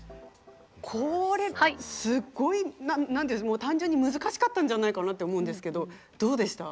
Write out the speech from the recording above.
これすっごい単純に難しかったんじゃないかなって思うんですけどどうでした？